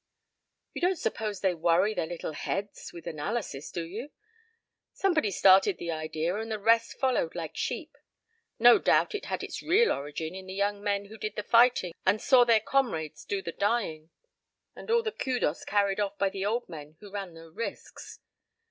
"You don't suppose they worry their little heads with analysis, do you? Somebody started the idea and the rest followed like sheep. No doubt it had its real origin in the young men who did the fighting and saw their comrades do the dying, and all the kudus carried off by the old men who ran no risks.